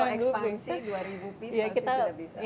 tapi kalau ekspansi dua ribu piece pasti sudah bisa